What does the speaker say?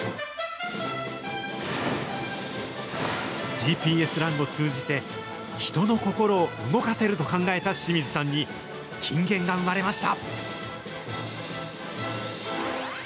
ＧＰＳランを通じて、人の心を動かせると考えた志水さんに、金言が生まれました。